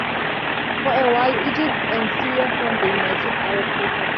For a while Egypt and Syria formed the United Arab Republic.